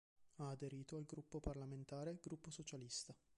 Ha aderito al gruppo parlamentare "Gruppo socialista".